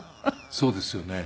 そうですよね。